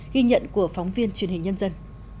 ghi nhận của phóng viên truyền hình nhân dân